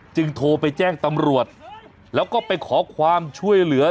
โทรไปแจ้งตำรวจแล้วก็ไปขอความช่วยเหลือ